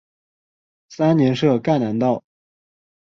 三年设赣南道。